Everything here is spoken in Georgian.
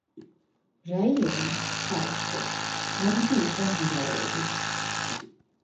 რაიონი, საერთოდ, ღარიბი იყო მდინარეებით.